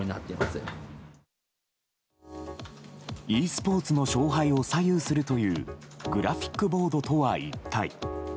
ｅスポーツの勝敗を左右するというグラフィックボードとは一体。